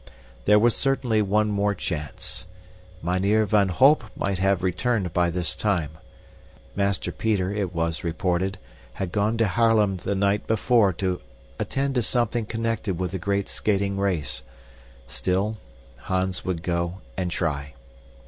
There was certainly one more chance. Mynheer van Holp might have returned by this time. Master Peter, it was reported, had gone to Haarlem the night before to attend to something connected with the great skating race. Still, Hans would go and try.